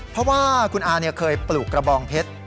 เพราะว่าคุณอาเคยปลูกกระบองเพชร